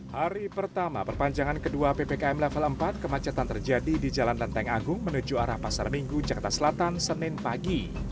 hari pertama perpanjangan kedua ppkm level empat kemacetan terjadi di jalan lenteng agung menuju arah pasar minggu jakarta selatan senin pagi